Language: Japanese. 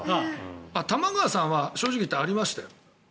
玉川さんは正直言ってありましたよ。